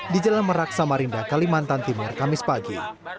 di jalan merak samarinda kalimantan timur kamis pagi